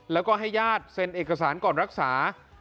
แล้วก็ให้ญาติเซ็นเอกสารก่อนรักษา